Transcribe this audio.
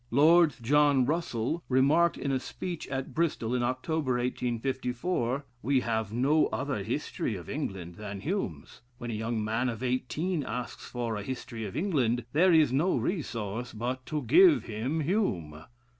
Lord John Russell remarked in a speech at Bristol, in October, 1854: "We have no other 'History of England' than Hume's.... When a young man of eighteen asks for a 'History of England,' there is no resource but to give him Hume."